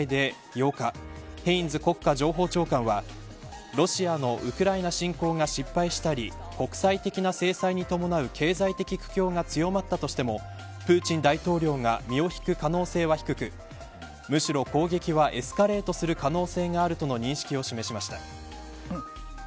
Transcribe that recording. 一方でロイター通信によりますとアメリカ下院情報委員会の公聴会で、８日ヘインズ国家情報長官はロシアのウクライナ侵攻が失敗したり国際的な制裁に伴う経済的苦境が強まったとしてもプーチン大統領が身を引く可能性は低くむしろ攻撃はエスカレートする可能性があるとの認識を示しました。